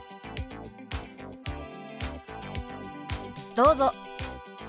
どうぞ。